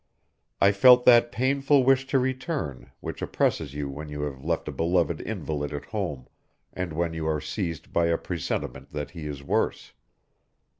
I felt that painful wish to return which oppresses you when you have left a beloved invalid at home, and when you are seized by a presentiment that he is worse.